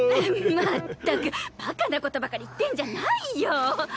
まったくバカなことばかり言ってんじゃないよ。